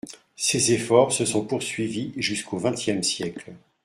Ces efforts se sont poursuivis jusqu’au vingtième siècle.